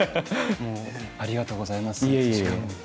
ありがとうございます。